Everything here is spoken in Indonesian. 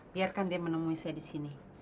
biarkan dia menemui saya disini